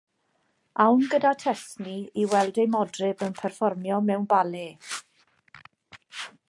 Awn gyda Tesni i weld ei modryb yn perfformio mewn bale.